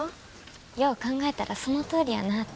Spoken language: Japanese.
よう考えたらそのとおりやなって。